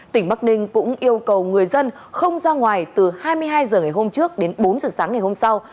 tỉnh bắc ninh cũng yêu cầu người dân không ra ngoài từ hai mươi hai h ngày hôm trước đến bốn h sáng ngày hôm sau